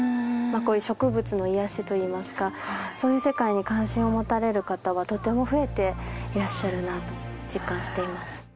こういう植物の癒やしといいますかそういう世界に関心を持たれる方はとても増えていらっしゃるなと実感しています